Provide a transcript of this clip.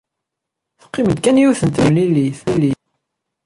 Teqqim-d kan yiwet n temlellit.